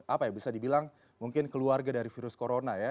apa ya bisa dibilang mungkin keluarga dari virus corona ya